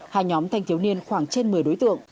hai nhóm thanh thiếu niên khoảng trên một mươi đối tượng